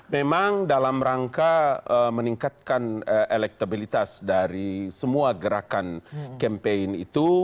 memang dalam rangka meningkatkan elektabilitas dari semua gerakan campaign itu